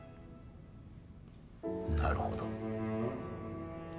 なるほど。